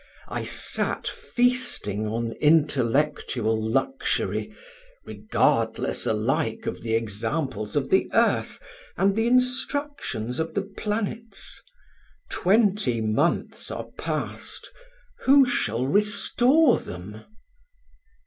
I sat feasting on intellectual luxury, regardless alike of the examples of the earth and the instructions of the planets. Twenty months are passed: who shall restore them?"